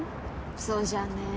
そじゃね